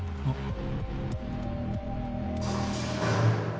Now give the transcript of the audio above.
あっ！